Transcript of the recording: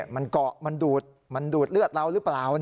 มันเกาะมันดูดมันดูดเลือดเราหรือเปล่า